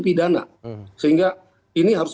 pidana sehingga ini harus